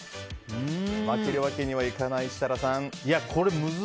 負けるわけにはいかない設楽さん。